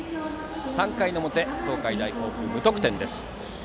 ３回の表東海大甲府は無得点です。